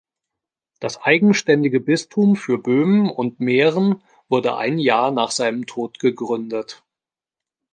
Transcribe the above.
Das eigenständige Bistum für Böhmen und Mähren wurde ein Jahr nach seinem Tod gegründet.